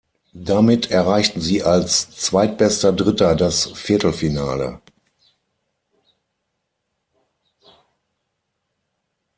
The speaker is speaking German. Damit erreichten sie als zweitbester Dritter das Viertelfinale.